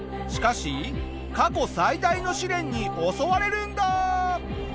しかし過去最大の試練に襲われるんだ！